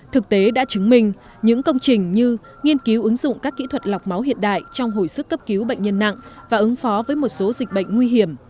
thực tế đã chứng minh những công trình như nghiên cứu ứng dụng các kỹ thuật lọc máu hiện đại trong hồi sức cấp cứu bệnh nhân nặng và ứng phó với một số dịch bệnh nguy hiểm